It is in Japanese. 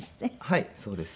はいそうです。